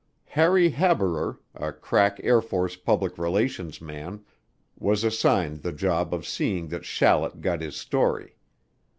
Harry Haberer, a crack Air Force public relations man, was assigned the job of seeing that Shallet got his story.